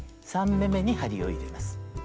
３目めに針を入れます。